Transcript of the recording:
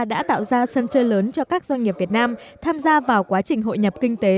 đã tạo ra sân chơi lớn cho các doanh nghiệp việt nam tham gia vào quá trình hội nhập kinh tế